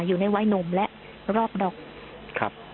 อยู่ในวัยหนุ่มและรอบดอก